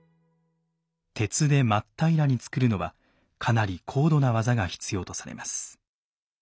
鉄でまっ平らに作るのはかなり高度な技が必要とされます。